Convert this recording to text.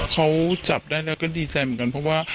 เขาจับได้แล้วก็ดีใจเหมือนกันเพราะว่า